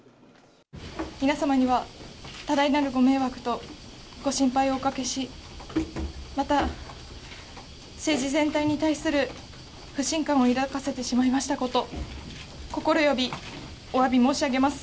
皆様には多大なるご迷惑とご心配をおかけし、また、政治全体に対する不信感を抱かせてしまいましたこと、心よりおわび申し上げます。